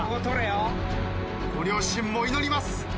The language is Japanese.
ご両親も祈ります。